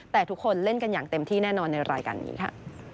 แต่ทุกคนเล่นกันอย่างเต็มที่แน่นอนในรายการนี้ค่ะ